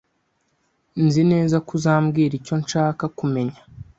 Nzi neza ko uzambwira icyo nshaka kumenya